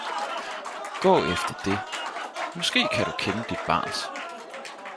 Gå efter det, måske kan du kende dit barns